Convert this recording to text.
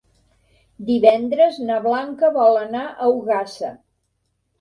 Divendres na Blanca vol anar a Ogassa.